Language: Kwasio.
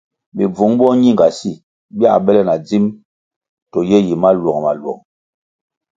Bibvung boñingasi bia bele na dzim to ye yi maluong-maluong.